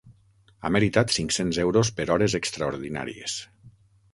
Ha meritat cinc-cents euros per hores extraordinàries.